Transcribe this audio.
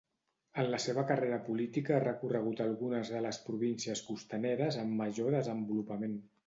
En la seva carrera política ha recorregut algunes de les províncies costaneres amb major desenvolupament.